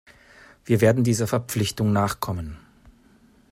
Wir werden dieser Verpflichtung nachkommen.